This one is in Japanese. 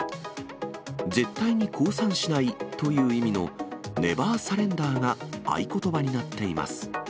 絶対に降参しないという意味のネバーサレンダーが合言葉になっています。